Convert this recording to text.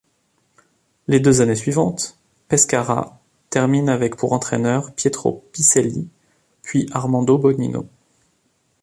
Les deux années suivantes, Pescara termine avec pour entraîneur Pietro Piselli, puis Armando Bonino.